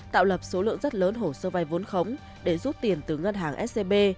tạo lập số lượng rất lớn hồ sơ vay vốn khống để rút tiền từ ngân hàng scb